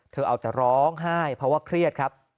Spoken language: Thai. เอาแต่ร้องไห้เพราะว่าเครียดครับ